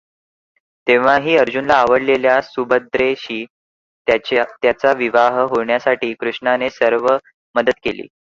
तेव्हाही अर्जुनाला आवडलेल्या सुभद्रेशी त्याचा विवाह होण्यासाठी कृष्णाने सर्व मदत केली.